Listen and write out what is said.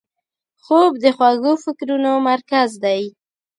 خوب د خوږو فکرونو مرکز دی